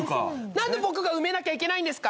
何で僕が埋めなきゃいけないんですか？